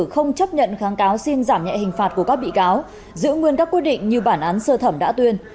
không chấp nhận kháng cáo xin giảm nhẹ hình phạt của các bị cáo giữ nguyên các quyết định như bản án sơ thẩm đã tuyên